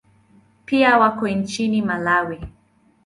Pia wako nchini Malawi.